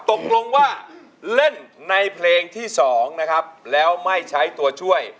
ตกลงว่าเล่นในเพลงที่๒นะครับแล้วไม่ใช้ตัวช่วย